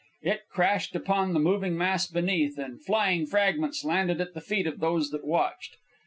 It crashed upon the moving mass beneath, and flying fragments landed at the feet of those that watched.